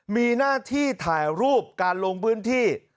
มีหน้าที่ถ่ายรูปการลงพื้นที่